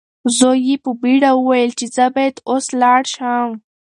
زوی یې په بیړه وویل چې زه باید اوس لاړ شم.